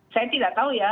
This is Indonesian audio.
saya tidak tahu ya